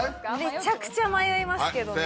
めちゃくちゃ迷いますけどね。